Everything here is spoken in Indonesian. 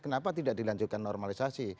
kenapa tidak dilanjutkan normalisasi